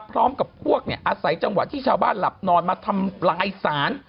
พร้อมกับพวกอาศัยจังหวะที่ชาวบ้านหลับนอนมาทำลายศาล